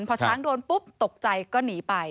พอช้างโดนปุ๊บตกใจก็หนีไป